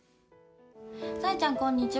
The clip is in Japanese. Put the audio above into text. さやちゃん、こんにちは。